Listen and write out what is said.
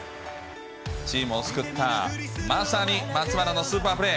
チームを救った、まさに松原のスーパープレー。